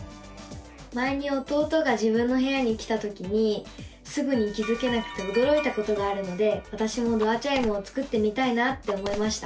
前に弟が自分の部屋に来たときにすぐに気付けなくておどろいたことがあるのでわたしもドアチャイムを作ってみたいなって思いました！